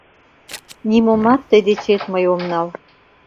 Нимомат тый дечет мый ом нал